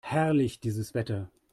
Herrlich, dieses Wetter!